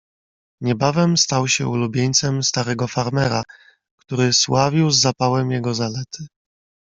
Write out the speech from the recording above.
"Niebawem stał się ulubieńcem starego farmera, który sławił z zapałem jego zalety."